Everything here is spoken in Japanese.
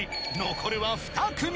残るは２組］